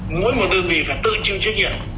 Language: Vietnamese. mỗi một đơn vị phải tự chịu trách nhiệm